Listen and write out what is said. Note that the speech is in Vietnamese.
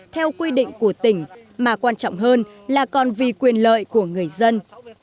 theo quy định của tỉnh mà quan trọng hơn là còn vì quyền lợi của người dân